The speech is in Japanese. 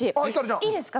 いいですか？